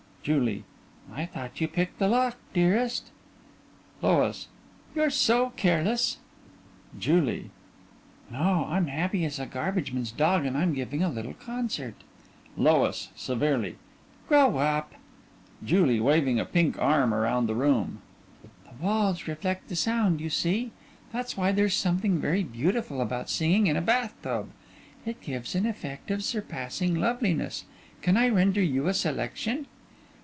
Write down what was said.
JULIE: I thought you picked the lock, dearest. LOIS: You're so careless. JULIE: No. I'm happy as a garbage man's dog and I'm giving a little concert. LOIS: (Severely) Grow up! JULIE: (Waving a pink arm around the room) The walls reflect the sound, you see. That's why there's something very beautiful about singing in a bath tub. It gives an effect of surpassing loveliness. Can I render you a selection?